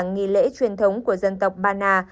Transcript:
nghi lễ truyền thống của dân tộc ba na